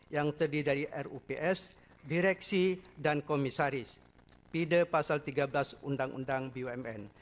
yang terdiri dari rups direksi dan komisaris pide pasal tiga belas undang undang bumn